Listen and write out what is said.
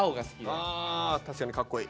あ確かにかっこいい。